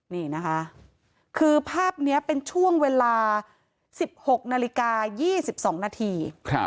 นี่นะคะคือภาพนี้เป็นช่วงเวลา๑๖นาฬิกา๒๒นาที